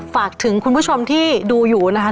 ฝากถึงคุณผู้ชมที่ดูอยู่นะคะ